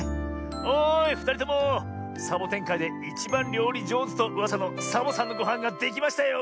おいふたりともサボテンかいでいちばんりょうりじょうずとうわさのサボさんのごはんができましたよ。